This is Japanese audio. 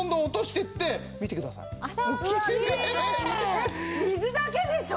えっ水だけでしょ？